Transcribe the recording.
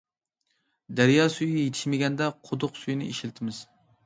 دەريا سۈيى يېتىشمىگەندە قۇدۇق سۈيىنى ئىشلىتىمىز.